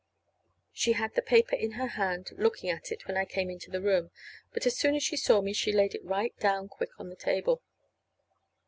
She had the paper in her hand, looking at it, when I came into the room; but as soon as she saw me she laid it right down quick on the table.